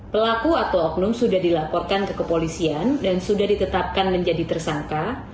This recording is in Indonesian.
pelaku atau oknum sudah dilaporkan ke kepolisian dan sudah ditetapkan menjadi tersangka